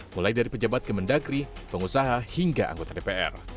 mulai dari pejabat kemendagri pengusaha hingga anggota dpr